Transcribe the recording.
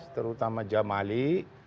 terutama jam mali